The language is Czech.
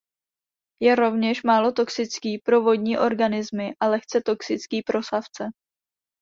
Je rovněž málo toxický pro vodní organismy a lehce toxický pro savce.